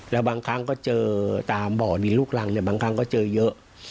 แล้วบางครั้งก็เจอตามบ่อดินลูกรังเนี่ยบางครั้งก็เจอเยอะ